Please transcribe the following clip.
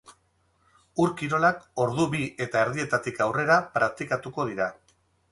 Ur-kirolak ordu bi eta erdietatik aurrera praktikatuko dira.